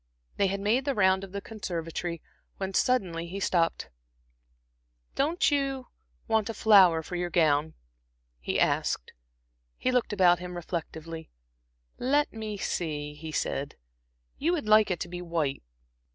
They had made the round of the conservatory, when suddenly he stopped. "Don't you want a flower for your gown," he asked. He looked about him reflectively. "Let me see," he said. "You would like it to be white."